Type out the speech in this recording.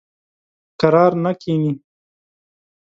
کرار نه کیني.